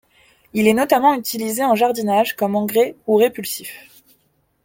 Il est notamment utilisé en jardinage comme engrais ou répulsif.